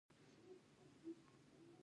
د خوست په ځاځي میدان کې د سمنټو مواد شته.